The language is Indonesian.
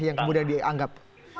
yang mudah dianggap